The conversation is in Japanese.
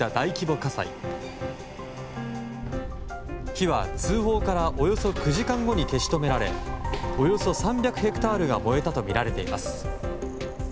火は通報からおよそ９時間後に消し止められおよそ３００ヘクタールが燃えたとみられています。